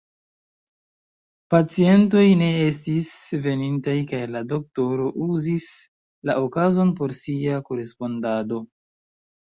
Pacientoj ne estis venintaj kaj la doktoro uzis la okazon por sia korespondado.